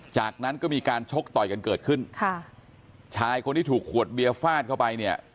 จากนั้นก็มีการชกต่อยกันเกิดขึ้นค่ะชายคนที่ถูกขวดเบียร์ฟาดเข้าไปเนี่ย